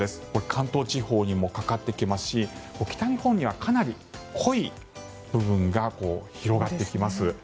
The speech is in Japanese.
関東地方にもかかってきますし北日本には、かなり濃い部分が広がってきます。